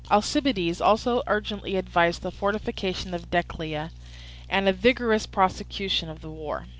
Alcibiades also urgently advised the fortification of Decelea, and a vigorous prosecution of the war.